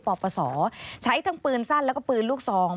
ปปศใช้ทั้งปืนสั้นแล้วก็ปืนลูกซอง